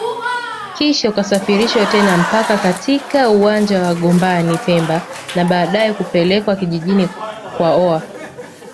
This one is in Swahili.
kisha ukasafirishwa tena mpaka katika uwanja wa Gombani pemba na baadae kupelekwa kijijini kwaoa